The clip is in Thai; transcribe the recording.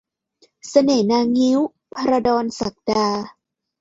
เสน่ห์นางงิ้ว - ภราดร ศักดา